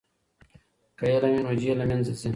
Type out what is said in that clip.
که علم وي نو جهل له منځه ځي.